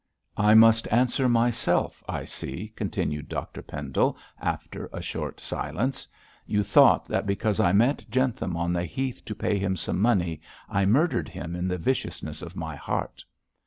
'I must answer myself, I see,' continued Dr Pendle, after a short silence; 'you thought that because I met Jentham on the heath to pay him some money I murdered him in the viciousness of my heart.